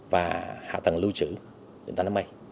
và hạ tầng lưu trữ